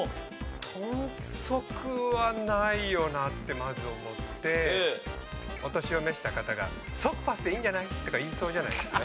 トンソクはないよなってまず思ってお年を召した方がソクパスでいいんじゃない！とか言いそうじゃないですか。